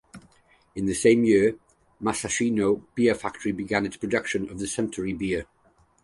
In the same year, Musashino Beer Factory began its production of the Suntory Beer.